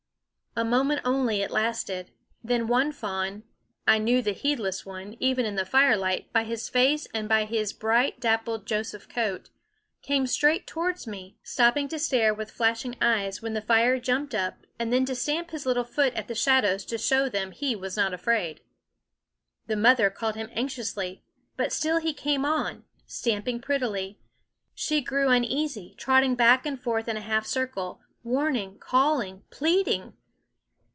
A moment only it lasted. Then one fawn I knew the heedless one, even in the firelight, by his face and by his bright dappled Joseph's coat came straight towards me, stopping to stare with flashing eyes when the fire jumped up, and then to stamp his little foot at the shadows to show them that he was not afraid. [Illustration: "HER EYES ALL ABLAZE WITH THE WONDER OF THE LIGHT"] The mother called him anxiously; but still he came on, stamping prettily. She grew uneasy, trotting back and forth in a half circle, warning, calling, pleading.